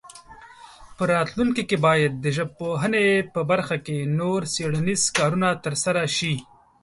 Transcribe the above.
په راتلونکي کې باید د ژبپوهنې په برخه کې نور څېړنیز کارونه ترسره شي.